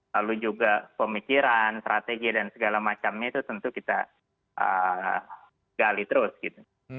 lalu juga pemikiran strategi dan segala macamnya itu tentu kita gali terus gitu